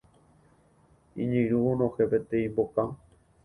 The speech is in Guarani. Iñirũ onohẽ peteĩ mboka